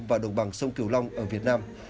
và đồng bằng sông kiều long ở việt nam